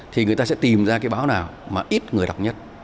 thì người ta sẽ tìm ra cái báo nào mà ít người đọc nhất